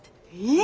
え。